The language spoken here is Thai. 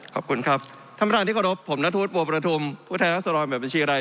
ขอบคุณครับท่านประธานที่ขอรับผมนัทธุษย์บัวประธุมผู้แท้นักสรรวจแบบบัญชีไร